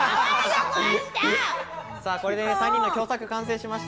これで３人の共作が完成しました。